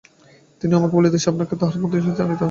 তিনিও আমাকে বলিতেছেন, আপনাকে তাঁহার প্রতিনমস্কার জানাইতে।